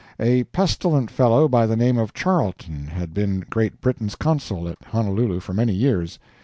A pestilent fellow by the name of Charlton had been Great Britain's Consul at Honolulu for many years.